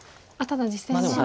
ただ実戦は。